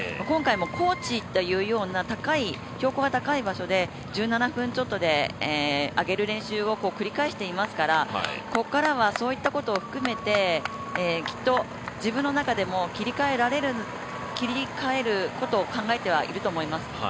今回も高地といったような標高が高い場所で１７分ちょっとで上げる練習を繰り返していますからここからは、そういったことも含めて、きっと自分の中でも切り替えることを考えてはいると思います。